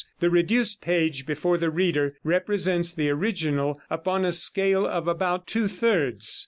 The reduced page before the reader represents the original upon a scale of about two thirds.